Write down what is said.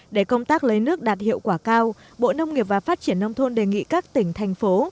để công tác lấy nước đạt hiệu quả cao bộ nông nghiệp và phát triển nông thôn đề nghị các tỉnh thành phố